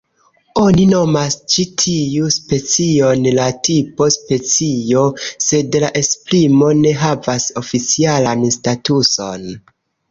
Oni nomas ĉi tiu specion la "tipo-specio" sed la esprimo ne havas oficialan statuson.